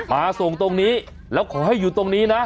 มาส่งตรงนี้แล้วขอให้อยู่ตรงนี้นะ